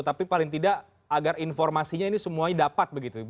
tapi paling tidak agar informasinya ini semuanya dapat begitu